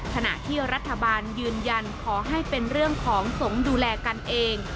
ขณะที่รัฐบาลยืนยันขอให้เป็นเรื่องของสงฆ์ดูแลกันเอง